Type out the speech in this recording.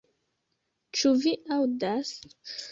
Ĉu vi aŭdas?